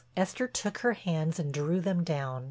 Esther took her hands and drew them down.